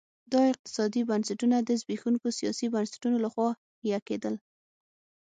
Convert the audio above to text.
دا اقتصادي بنسټونه د زبېښونکو سیاسي بنسټونو لخوا حیه کېدل.